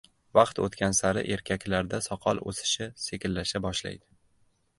Vaqt o‘tgan sari erkaklarda soqol o‘sishi sekinlasha boshlaydi